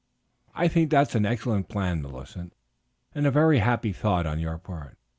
"I think that is an excellent plan, Millicent, and a very happy thought on your part.